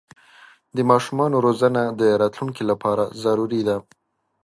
د ماشومانو روزنه د راتلونکي لپاره ضروري ده.